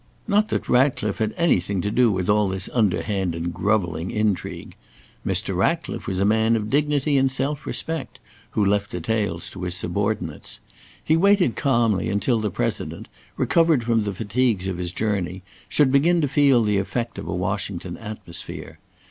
Not that Ratcliffe had anything to do with all this underhand and grovelling intrigue. Mr. Ratcliffe was a man of dignity and self respect, who left details to his subordinates. He waited calmly until the President, recovered from the fatigues of his journey, should begin to feel the effect of a Washington atmosphere.